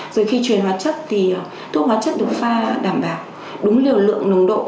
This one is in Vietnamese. rồi khi truyền hóa chất thì thuốc hóa chất được pha đảm bảo đúng liều lượng nồng độ